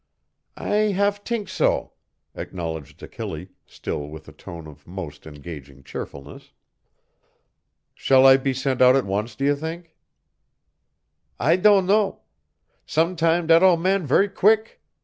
"I have t'ink so," acknowledged Achille, still with a tone of most engaging cheerfulness. "Shall I be sent out at once, do you think?" "I don' know. Sometam' dat ole man ver' queek.